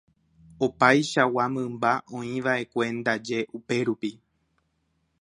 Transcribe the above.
Opaichagua mymba oĩva'ekue ndaje upérupi.